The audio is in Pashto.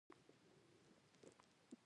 درمل د وینې شکر کنټرولوي.